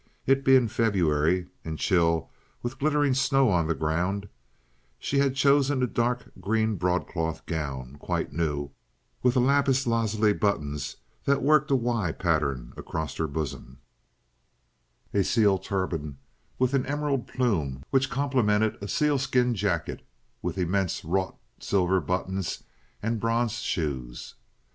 It being February and chill with glittering snow on the ground, she had chosen a dark green broadcloth gown, quite new, with lapis lazuli buttons that worked a "Y" pattern across her bosom, a seal turban with an emerald plume which complemented a sealskin jacket with immense wrought silver buttons, and bronze shoes.